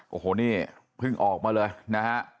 โอ้โหนี่เพิ่งออกมาเลยนะฮะ